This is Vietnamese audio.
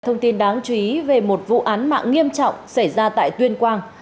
thông tin đáng chú ý về một vụ án mạng nghiêm trọng xảy ra tại tuyên quang